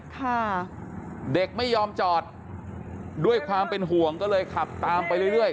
ค่ะเด็กไม่ยอมจอดด้วยความเป็นห่วงก็เลยขับตามไปเรื่อยเรื่อย